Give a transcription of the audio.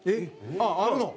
あっあるの？